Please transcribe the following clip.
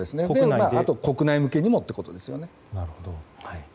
あと、国内向けにもということですね。